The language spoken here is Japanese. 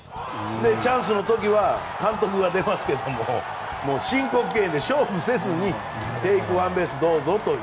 チャンスの時は監督が出ますけど申告敬遠でテイクワンベースどうぞという。